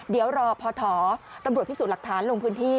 เดี๋ยวรอพอถอตำรวจพิสูจน์หลักฐานลงพื้นที่